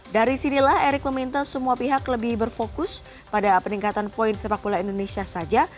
dari sinilah erick meminta semua pihak lebih berfokus pada peningkatan poin sepak bola indonesia saja